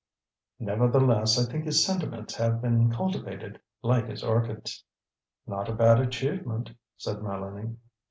"Nevertheless, I think his sentiments have been cultivated, like his orchids." "Not a bad achievement," said Mélanie.